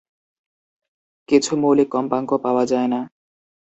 কিছু মৌলিক কম্পাঙ্ক পাওয়া যায়না।